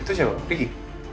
itu siapa riki